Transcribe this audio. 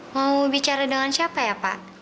mau bicara dengan siapa ya pak